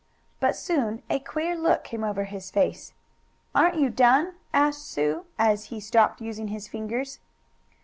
But soon a queer look came over his face. "Aren't you done?" asked Sue, as he stopped using his fingers.